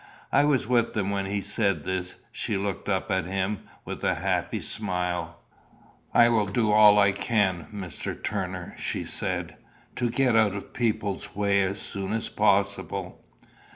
I was with them when he said this. She looked up at him with a happy smile. "I will do all I can, Mr. Turner," she said, "to get out of people's way as soon as possible."